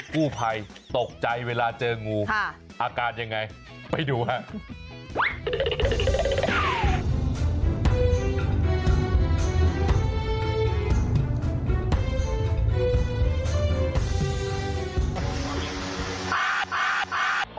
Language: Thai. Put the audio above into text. กู้ภัยตกใจเวลาเจองูอาการยังไงไปดูครับ